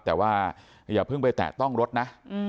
แต่ว่าอย่าเพิ่งไปแตะต้องรถนะ